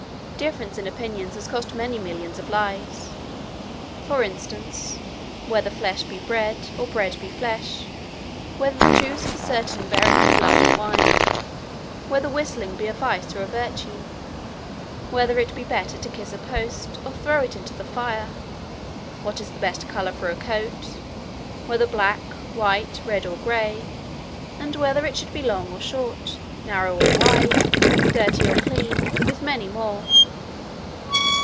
Difference in opinions has cost many millions of lives: for instance, whether flesh be bread, or bread be flesh; whether the juice of a certain berry be blood or wine; whether whistling be a vice or a virtue; whether it be better to kiss a post, or throw it into the fire; what is the best colour for a coat, whether black, white, red, or gray; and whether it should be long or short, narrow or wide, dirty or clean; with many more.